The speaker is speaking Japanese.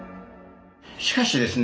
しかしですね